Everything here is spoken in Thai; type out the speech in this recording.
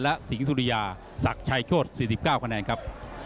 และสิงหุริยาศักดิ์ชัยโชธ๔๙คะแนนครับ